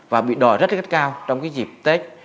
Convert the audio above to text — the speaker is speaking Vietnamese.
và bị đòi rất rất cao trong dịp tết